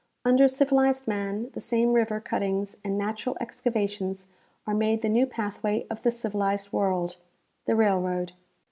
Under civilized man the same river cuttings and natural exca vations are made the new pathway of the civilized world — the railroad.